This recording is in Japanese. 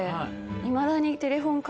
いまだに。